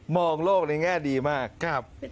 มองโลกในแง่ดีมากครับ